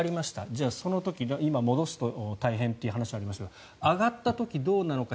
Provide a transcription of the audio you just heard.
じゃあ、その時今戻すと大変という話がありましたが上がった時どうなのか。